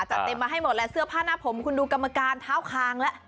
เต็มมาให้หมดแล้วเสื้อผ้าหน้าผมคุณดูกรรมการเท้าคางแล้ว